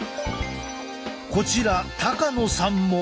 こちら高野さんも。